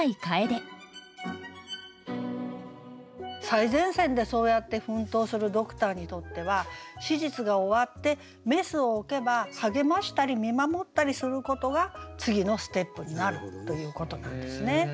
最前線でそうやって奮闘するドクターにとっては手術が終わってメスを置けば励ましたり見守ったりすることが次のステップになるということなんですね。